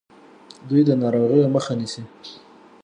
دوی د ناروغیو مخه نیسي.